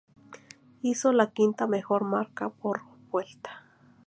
Hizo la quinta mejor marca por vuelta.